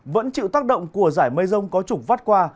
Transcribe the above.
vẫn chịu tác động của giải mây rông có trục vắt qua